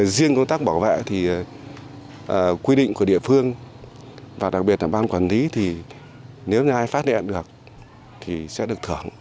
riêng công tác bảo vệ thì quy định của địa phương và đặc biệt là ban quản lý thì nếu như ai phát hiện được thì sẽ được thưởng